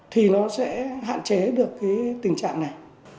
thì nó sẽ hạn chế được cái tình trạng này